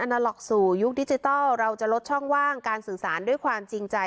นาล็อกสู่ยุคดิจิทัลเราจะลดช่องว่างการสื่อสารด้วยความจริงใจ